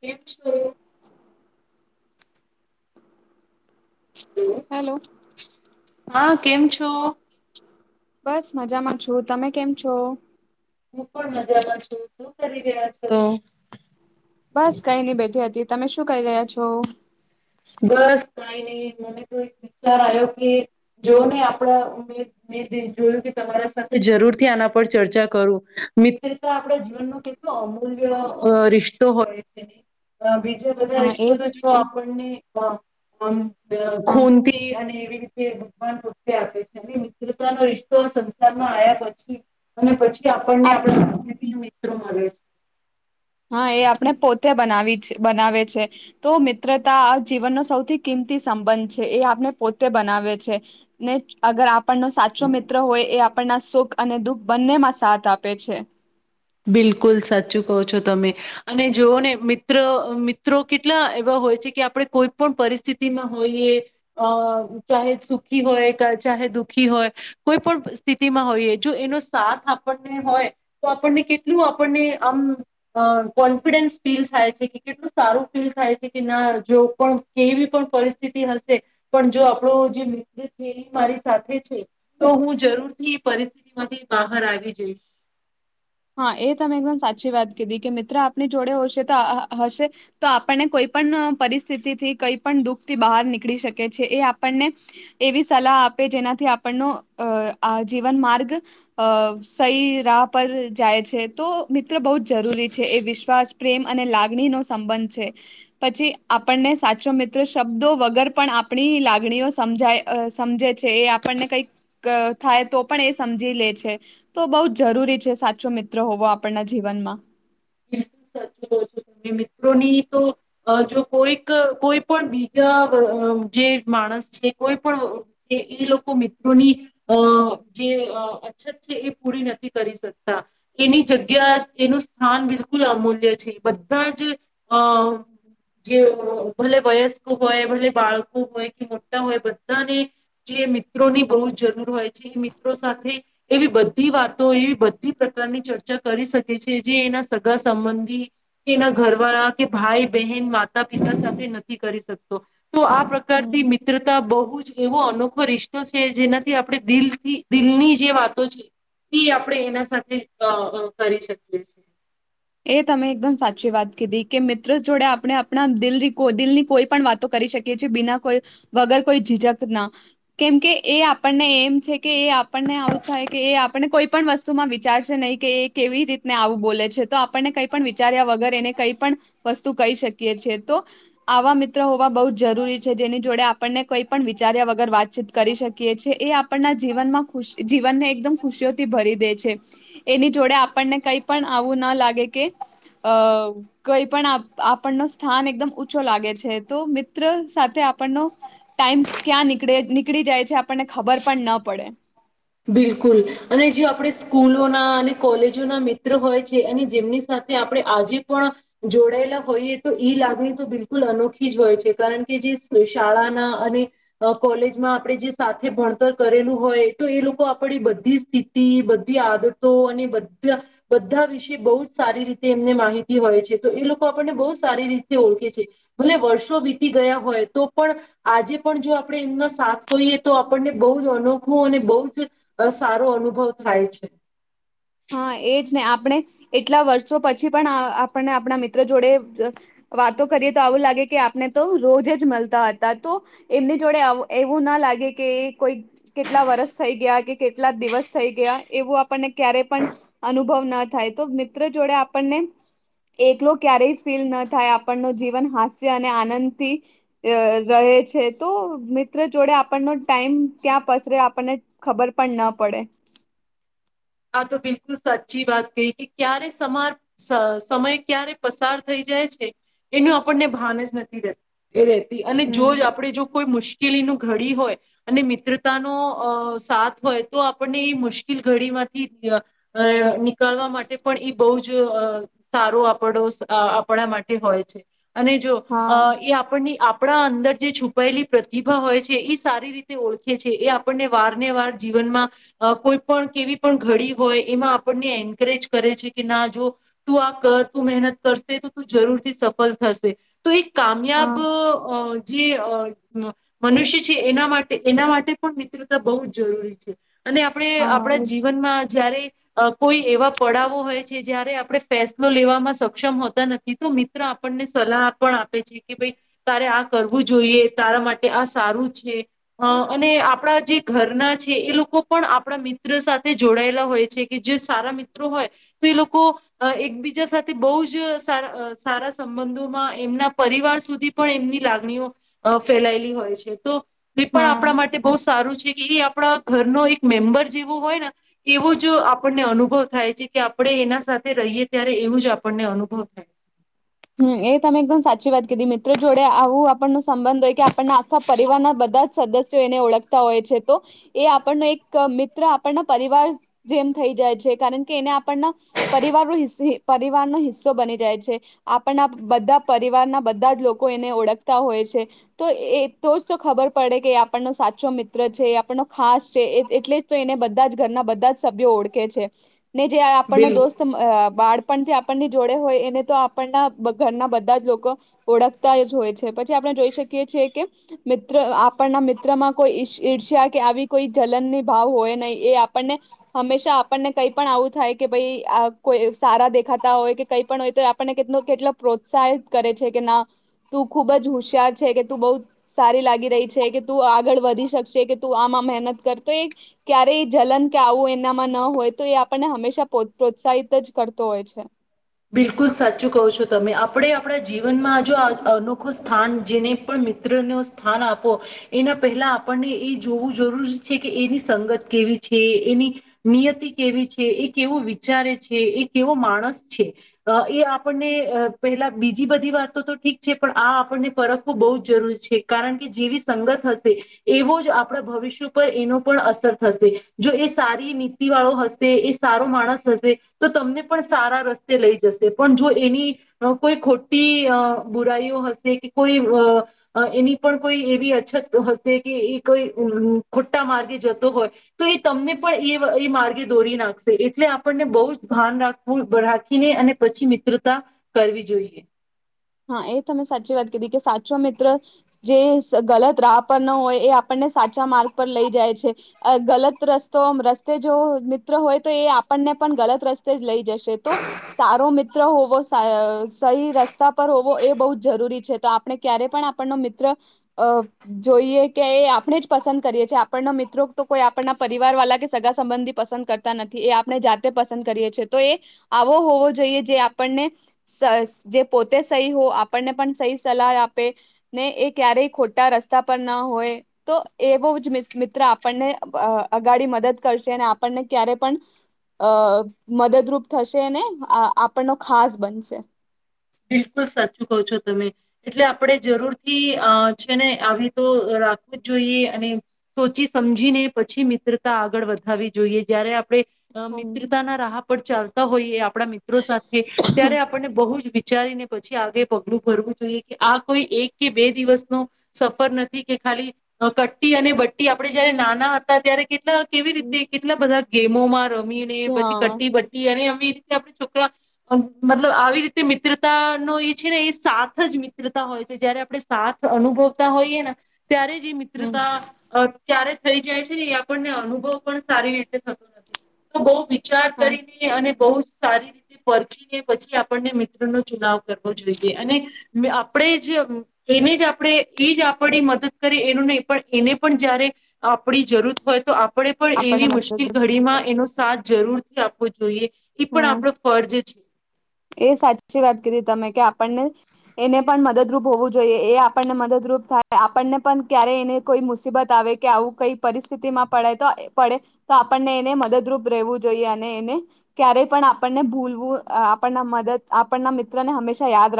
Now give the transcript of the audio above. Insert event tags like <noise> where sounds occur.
કેમ છો? હેલો. હા કેમ છો? બસ મજામાં છું તમે કેમ છો? હું પણ મજામાં છું શું કરી રહ્યા છો? બસ કઈ નઈ બેઠી હતી. તમે શું કરી રહ્યા છો? બસ કઈ નહી મને તો એક વિચાર આવ્યો કે જો નહી આપડા મે જોયું કે તમારા સાથે જરૂર થી આના પર ચર્ચા કરું, મિત્રતા આપણા જીવનનો કેટલો અમૂલ્ય રિશ્તો હોય છે. બધા હા એ રિશ્તો તો જો આપ હ હમ. હા ખૂનથી અને એવી રી કે ભગવાન ભક્તે આપે છે અને મિત્રતા નો રિશતો સંસારમાં આયા પછી અને પછી તે આપણને આપ આપડા <inaudible> <inaudible> હા, એ આપને પોતે બનાવી છે બનાવે છે. તો મિત્રતા જીવનનો સૌથી કિંમતી સંબંધ છે એ આપને પોતે બનાવે છે ને અગર આપ પન ને સાચો મિત્ર હોય એ આપ પના સુખ અને દુઃખ બંનેમાં સાથ આપે છે. બિલકુલ સાચું કહો છો તમે. અને જોઓ ને મિત્ર મિત્રો કેટલા એવા હોય છે કે આપડે કોઈ પણ પરિસ્થિતિમાં હોઈએ અહ ચાહે સુખી હોય ચાહે દુખી હોય કોઈ પણ સ્થિતિમાં હોઈએ જો એનો સાથ આપણને હોય તો આપણ ને કેટલું આપણને આમ અહ કોન્ફિડન્સ ફીલ થાય છે કે કેટલું સારું ફીલ થાય છે કે ના જો પણ કેવી પણ પરિસ્થિતિ હશે પણ જો આપડો જે મિત્ર છે એ મારી સાથે છે તો હું જરૂરથી પરિસ્થિતિમાંથી બહાર આવી જઈશ. હા, એ તમે એકદમ સાચી વાત કીધી કે મિત્ર આપની જોડે હશે તો હશે તો આપને કોઈ પણ પરિસ્થિતિ થી કઈ પણ દુઃખ થી બહાર નીકળી શકે છે એ આપણને એવી સલાહ આપે જેનાથી આપણનો આ જીવન માર્ગ અહ સહી રાહ પર જાય છે. તો મિત્ર બહુ જ જરૂરી છે એ વિશ્વાસ પ્રેમ અને લાગણી નો સંબંધ છે પછી આપણને સાચો મિત્ર શબ્દો વગર પણ આપણી લાગણીઓ સમજાય અહ સમજે છે એ આપણને કઈક થાય તો પણ એ સમજી લે છે તો બહુ જ જરૂરી છે સા છું મિત્રો હોવો આપણના જીવનમાં. બિલકુલ સાચું કહો છો મિત્રોની તો જો કોઈક કોઈ પણ બીજા અહ જે માણસ છે કોઈ પણ છે એ લોકો મિત્રોની અહ જે અછત છે એ પૂરી નથી કરી શકતા એની જગ્યા અહ એનું સ્થાન બિલકુલ અમૂલ્ય છે. બધા જ અહ જે ભલે વયસ્કો હોય ભલે બાળકો હોય કે મોટા હોય બધાને જે મિત્રોની બહુ જ જરૂર હોય છે એ મિત્રો સાથે એવી બધી વાતો એવી બધી પ્રકારની ચર્ચા કરી શકે છે જે એના સગા સંબંધી એના ઘરવાળા કે ભાઈ બહેન માતા પિતા સાથે નથી કરી શકતો. તો આ હમ પ્રકારથી મિત્રતા બહુ જ એવો અનોખો રિશતો છે જેનાથી આપણે દિલથી દિલની જે વાતો છે એ આપડે એના સાથે અહ અહ કરી શકીએ છીએ. એ તમે એકદમ સાચી વાત કીધી કે મિત્રો જોડે આપણે આપણા દિલ દિલની કોઈ પણ વાતો કરી શકીએ છીએ બિના કોઈ વગર કોઈ ઝીજક ના કેમકે એ આપણને એમ છે કે એ આપણને આવું થાય કે એ આપણને કોઈ પણ વસ્તુમાં વિચારશે નહીં કે એ કેવી રીતને આવું બોલે છે તો આપ પણ એ કઈ વિચાર્યા વગર એને કઈ પણ વસ્તુ કહી શકીએ છે તો આવા મિત્ર હોવા બહુ જ જરૂરી છે જેની જોડે આપણને કઈ પણ વિચાર્યા વગર વાતચીત કરી શકીએ છીએ એ આપણના જીવનમાં ખુશ જીવનને એકદમ ખુશીઓથી ભરી દે છે. એની જોડે આપણને કઈ પણ આવું ના લાગે કે અહ કઈ પણ આપણનો સ્થાન એકદમ ઊંચો લાગે છે તો મિત્ર સાથે આપણનો ટાઈમ ક્યાં નીકળે નીકળી જાય છે આપણને ખબર પણ ન પડે. બિલકુલ અને જો આપડે સ્કૂલોના અને કોલેજોના મિત્ર હોય છે અને જેમની સાથે આપડે આજે પણ જોડાયેલા હોઈએ તો ઈ લાગણી તો બિલકુલ અનોખી જ હોય છે કારણ કે જે શાળાના અને કોલેજમાં આપડે જે સાથે ભણતર કરેલું હોય તો એ લોકો આપણી બધી સ્થિતિ બધી આદતો અને બધા બધા વિશે બહુ જ સારી રીતે એમને માહિતી હોય છે તો એ લોકો આપણને બહુ સારી રીતે ઓળખે છે ભલે વર્ષો વીતી ગયા હોય તો પણ આજે પણ જો આપણે એમનો સાથ હોઈએ તો આપણને બહુ જ અનોખું અને બહુ જ સારો અનુભવ થાય છે. હા, એજ ને આપણે એટલા વર્ષો પછી પણ આપણને આપણા મિત્ર જોડે વાતો કરીએ તો આવું લાગે કે આપને તો રોજ જ મળતા હતા તો એમની જોડે એવું ના લાગે કે કોઈ કેટલા વરસ થઈ ગયા કે કેટલા દિવસ થઈ ગયા એવું આપણને ક્યારે પણ અનુભવ ના થાય તો મિત્ર જોડે આપણને એકલો ક્યારેય ફીલ ન થાય આપણ ન જીવન હાસ્ય અને આનંદથી રહે છે તો મિત્ર જોડે આપણનો ટાઈમ ક્યાં પસરે આપણને ખબર પણ ન પડે. આ તો બિલકુલ સાચી વાત કહિ કે ક્યારે સમાર સમય ક્યારે પસાર થઈ જાય છે એનું આપણને ભાન જ નથી રહેતું. એ રહેતી અને જો હમ. આપે જો કોઈ મુશ્ કેલી ન ઘડી હોય અને મિત્રતાનો અ સાથ હોય તો આપણને એ મુશ્કેલ ઘડીમાં નીકળવા માટે પણ એ બહુ જ અ સારો આ પડોશ આપણા માટે હોય છે. અને જો હા. એ આપણની આપ ણા અંદર જે છુપાયેલી પ્રતિભા હોય છે એ સારી રીતે ઓળખે છે એ આપણને વારને વાર જીવનમાં કોઈ પણ કેવી પણ ઘડી હોય એમાં આપણને એન્કરેજ કરે છે કે ના જો તું આ કર તું મહેનત કરશે તો તું જરૂરથી સફળ થશે તો એક કામયાબ હા અ જે મનુષ્ય છે એના માટે એના માટે પણ મિત્રતા બહુ જ જરૂરી છે. અને આપણે હા આપડ એજ જીવનમાં જયારે અ કોઈ એવા પડાવો હોય છે જયારે આપણે ફેસલો લેવામાં સક્ષમ હોતા નથી તો મિત્ર આપણને સલાહ પણ આપે છે કે ભાઈ તારે આ કરવું જોઈએ તારા માટે આ સારું છે અ અને આપણા જે ઘરના છે એ લોકો પણ આપણા મિ ત્ર સાથે જોડાયેલા હોય છે કે જે સારા મિત્રો હોય તો એ લોકો એકબીજા સાથે બહુ જ સા સારા સંબંધોમાં એમના પરિવાર સુધી પણ એમની લાગણીઓ ફેલાયેલી હોય છે તો એ પણ હા. આપણા માટે બહુ સારું છે એ આપડા ઘર નો એક મેમ્બર જેવું હોય ને એવો જ આપણને અનુભવ થાય છે કે આપણે એના સાથે રહીએ ત્યારે એવું જ આપણને અનુભવ થાય છે. હમ એ તમે એકદમ સાચી વાત કીધી મિત્રો જોડે આવું આપણનો સંબંધ હોય કે આપણના આખા પરિવારના બધા જ સદસ્યો એને ઓળખતા હોય છે તો, એ આપણનો એક મિત્ર આપણના પરિવાર જેમ થઈ જાય છે કારણ કે એને આપણના, પરિવારનો પરિવારનો હિસ્સો બની જાય છે. આપણના બધા પરિવારના બધા જ લોકો એને ઓળખતા હોય છે, તો એ તો જ તો ખબર પડે કે આપણનો સાચો મિત્ર છે આપણનો ખાસ છે એટલે જ તો એને બધા જ ઘરના બધા જ સભ્યો ઓળખે છે. ને જે આપણનો બિલકુલ દોસ્ત બાળ પણ તે આપણની જોડે હોય એને તો આ આપણના ઘરના બધા જ લોકો ઓળખતા જ હોય છે પછી આપણે જોઈ શકીએ છીએ કે મિત્ર આપણના મિત્રમાં કોઈ ઈ ઈર્ષ્યા કે આવી કોઈ જલનની ભાવ હોય નહીં એ આપણને હંમેશા આપણને કઈ પણ આવું થાય કે ભઈ આ કોઈ સારા દેખાતા હોય કે કઈ પણ હોય તો આપને કેટલો કેટલો પ્રોત્સાહિત કરે છે કે ના તું ખુબ જ હુશિયાર છે કે તું બઉ સારી લાગી રહી છે કે તું આગળ વધી શકશે કે તું આમાં મહેનત કર તો એ ક્યારેય જલન કે આવું એનામાં ન હોય તો એ આપણને હંમેશા પો પ્રોત્સાહિત જ કરતો હોય છે. બિલકુલ સાચું કહો છો તમે આપણે આપણા જીવનમાં જો આ <unintelligible> સ્થાન જેને પણ મિત્રને સ્થાન આપો એના પહેલા આપણને એ જોવું જરૂરી છે કે એની સંગત કેવી છે એની નિયતિ કેવી છે એ કેવો વિચારે છે એ કેવો માણસ છે એ આપણને પહેલા બીજી બધી વાતો તો ઠીક છે પણ આ આપણને પરખવું બહુ જ જરૂરી છે કારણ કે જેવી સંગત હશે એવો જ આપણા ભવિષ્ય પર એનો પણ અસર થશે જો એ સારી નીતિ વાળો હશે એ સારો માણસ હશે તો તમને પણ સારા રસ્ તે લઈ જશે પણ જો એની અ કોઈ અ ખોટી બુરાઈઓ હશે કે કોઈ અ એની પણ કોઈ એવી અછત હશે કે એ કોઈ અમ ખોટા માર્ગે જતો હોય તો એ તમને પણ એ એ માર્ગે દોરી નાખશે એટલે આપણને બહુ જ ભાન રાખવું રાખ ને અને પછી મિત્રતા કરવી જોઈએ. હા એ તમે સાચી વાત કીધી કે સાચો મિત્ર જે સ ગલત રાહ પર ન હોય એ આપણને સાચા માર્ગ પર લઈ જાય છે અ ગલત રસ્તો રસ્તે જો મિત્ર હોય તો એ આપણને પણ ગલત રસ્તે જ લઈ જશે તો સારો મિત્ર હોવો સા સહી રસ્ તા પર હોવો એ બહુ જ જરૂરી છે તો આપણે ક્યારે પણ આપણનો મિત્ર અ જોઈએ કે એ આપણે જ પસંદ કરીએ છીએ આપણનો મિત્રો તો કોઈ આપણના પરિવારવાલા કે સગા સંબંધી પસંદ કરતા નથી એ આપણે જાતે પસંદ કરીએ છે તો એ આવો હોવો જોઈએ જે આપણને સ જે પોતે સહી હો આપણને પણ સહી સલાહ આપે ને એ ક્યારેય ખોટા રસ્તા પર ના હોય તો એવો જ મિ મિત્ર આપણને અ અગાડી મદદ કરશે અને આપણને ક્યારે પણ અ મદદરૂપ થશે ને આપણનો ખાસ બનશે. બિલકુલ સાચું કહો છો તમે એટલે આપણે જરૂર થી અ છે ને આવી તો રાખવું જ જોઈએ અને સોચી સમજીને પછી મિત્રતા આગળ વધાવવી જોઈએ જ્યારે આપણે હમ. મિત્રતાના રાહ પર ચાલ તા હોઈએ આપ આપણા મિત્રો સાથે ત્યારે આપણને બહુ જ વિ ચારીને પછી આગે પગલું ભરવું જોઈએ કે આ કોઈ એક કે બે દિવસનો સફર નથી કે ખાલી કટ્ટી અને બટ્ટી આપડે જયારે નાના હતા ત્યારે કેટલા કેવી હમ. રીતે કેટલા બધા ગેમ મો <unintelligible> રમીને પછી હા કટટી બટ્ટી અને એમ પ એ રીતે આપણે છોકરા મતલબ આવી રીતે મિત્ર તા નો એ છે ને એ સાથ જ મિત્રતા હોય છે જયારે આપણે સાથ અનુભવતા હોઈએ ને ત્યારે જ એ હમ મિત્રતા અ ત્યારે થઈ જાય છે ને એ આપણને અનુભવ પણ સારી રીતે થતો નથી તો બઉ વિ ચાર હા કરીને અને બહુ જ સારી રીતે પરખી ને પછી આપણને મિત્રનો ચુનાવ કરવો જોઈએ અને આપણે જ એને જ આપણે ઈજ આપણી મદદ કરીએ એનું નહીં પણ એને પણ જયારે આપણી જરૂરત હોય તો આપણે પણ આપણને એવી મુશ્કેલ મદદરૂપ ઘડીમાં એનો સાથ જરૂરથી આપવો જોઈએ. ઈ પણ હા. આપણો ફર્જ છે. એ સાચી વાત કરી તમે કે આપણને એને પણ મદદરૂપ હોવું જોઈએ એ આપણને મદદરૂપ થાય આપણને પણ ક્યારેય એને કોઈ મુસીબત આવે કે આવું કઈ પરિસ્થિતિમાં પડે તો પડે તો આપણને એને મદદરૂપ રહેવું જોઈએ અને એને ક્યારેય પણ આપણને ભૂલવું આ પણા મદદ આપણના મિત્રને હંમેશા યાદ રા